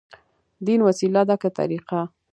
دين وسيله ده، که طريقه؟